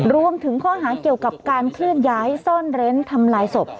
รวมถึงข้อหาเกี่ยวกับการเคลื่อนย้ายซ่อนเร้นทำลายศพ